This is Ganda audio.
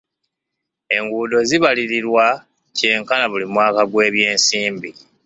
Enguudo zibalirirwa kyenkana buli mwaka gw'ebyensimbi.